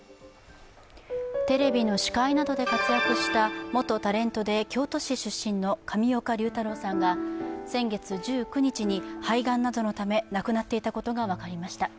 テレビの司会などで活躍した元タレントで京都市出身の上岡龍太郎さんが先月１９日に肺がんなどのため亡くなっていたことが分かりました。